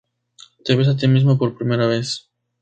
Te ves a ti mismo por primera vez.